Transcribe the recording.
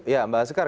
ya mbak soekar